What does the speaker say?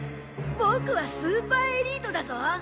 ボクはスーパーエリートだぞ。